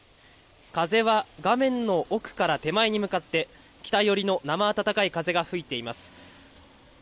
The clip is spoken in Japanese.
風は画面の奥から手前に向かって、北寄りのなまあたたかい風が吹いています。